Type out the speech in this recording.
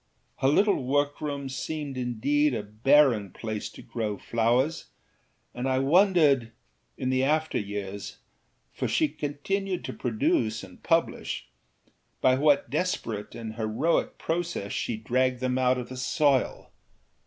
Her little workroom seemed indeed a barren place to grow flowers, and I wondered, in the after years (for she continued to produce and publish) by what desperate and heroic process she dragged them out of the soil.